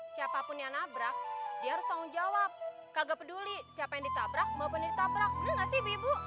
siapapun yang nabrak dia harus tanggung jawab kagak peduli siapa yang ditabrak maupun ditabrak bener gak sih be ibu